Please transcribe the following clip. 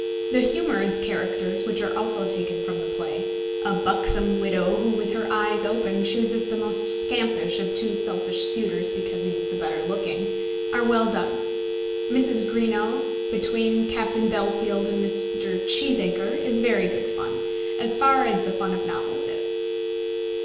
The humorous characters, which are also taken from the play, a buxom widow who with her eyes open chooses the most scampish of two selfish suitors because he is the better looking, are well done. Mrs. Greenow, between Captain Bellfield and Mr. Cheeseacre, is very good fun as far as the fun of novels is.